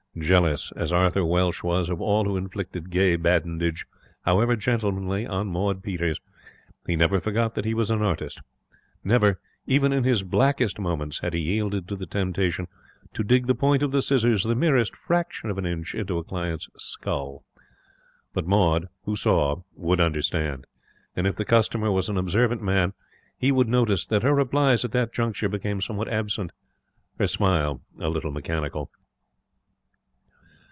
Jealous as Arthur Welsh was of all who inflicted gay badinage, however gentlemanly, on Maud Peters, he never forgot that he was an artist. Never, even in his blackest moments, had he yielded to the temptation to dig the point of the scissors the merest fraction of an inch into a client's skull. But Maud, who saw, would understand. And, if the customer was an observant man, he would notice that her replies at that juncture became somewhat absent, her smile a little mechanical.